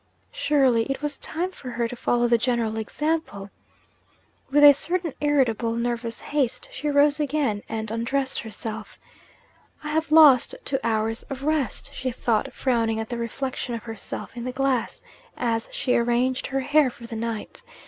Surely it was time for her to follow the general example? With a certain irritable nervous haste, she rose again and undressed herself. 'I have lost two hours of rest,' she thought, frowning at the reflection of herself in the glass, as she arranged her hair for the night.